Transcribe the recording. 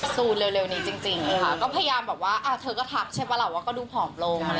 เร็วนี้จริงค่ะก็พยายามแบบว่าเธอก็ทักใช่ปะล่ะว่าก็ดูผอมลง